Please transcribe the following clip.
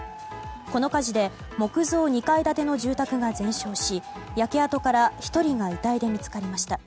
この火事で木造２階建ての住宅が全焼し焼け跡から１人が遺体で見つかりました。